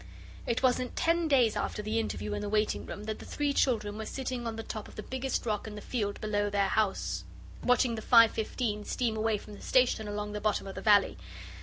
It wasn't ten days after the interview in the waiting room that the three children were sitting on the top of the biggest rock in the field below their house watching the 5.15 steam away from the station along the bottom of the valley.